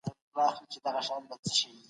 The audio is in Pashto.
د مېوو استعمال د بدن روښنايي ده.